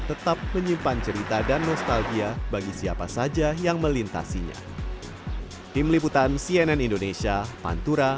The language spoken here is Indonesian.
tetap menyimpan cerita dan nostalgia bagi siapa saja yang melintasinya